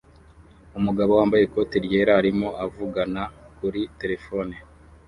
Umugabo wambaye ikote ryera arimo avugana kuri terefone